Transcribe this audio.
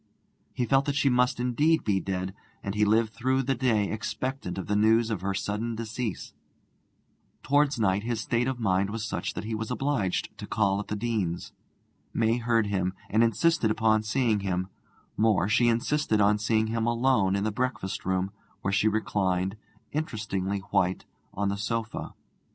He felt that she must indeed be dead, and he lived through the day expectant of the news of her sudden decease. Towards night his state of mind was such that he was obliged to call at the Deanes'. May heard him, and insisted on seeing him; more, she insisted on seeing him alone in the breakfast room, where she reclined, interestingly white, on the sofa.